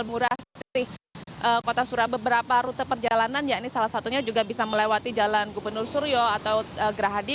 di kota surabaya beberapa rute perjalanan ya ini salah satunya juga bisa melewati jalan gubernur suryo atau gerahadi